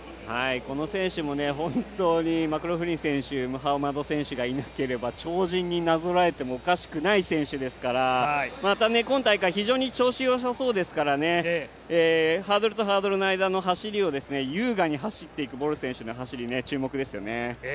この選手も本当にマクローフリン選手、ムハマド選手がいなければ超人になぞらえてもおかしくない選手ですからまた今大会、非常に調子良さそうですからハードルとハードルの間を優雅に走っていくボル選手の走り、注目ですよね。